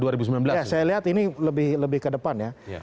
ya saya lihat ini lebih ke depan ya